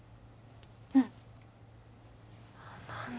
うん何だ